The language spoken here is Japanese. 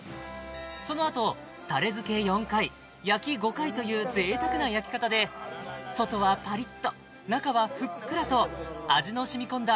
そのあとという贅沢な焼き方で外はパリッと中はふっくらと味の染みこんだ